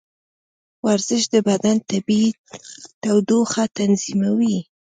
ورزش د بدن طبیعي تودوخه تنظیموي.